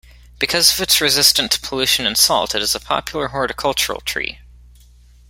Because of its resistance to pollution and salt, it is a popular horticultural tree.